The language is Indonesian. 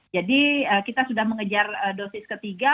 jadi kita sudah mengejar dosis ketiga